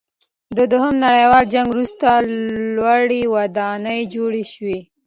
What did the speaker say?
د دویم نړیوال جنګ وروسته لوړې ودانۍ جوړې شوې.